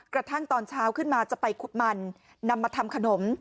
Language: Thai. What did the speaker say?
กระทั่งตอนเช้าขึ้นมาจะไปขุดมันนำมาทำขนม